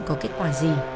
có kết quả gì